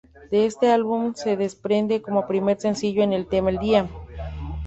De este álbum se desprende como primer sencillo el tema "El día".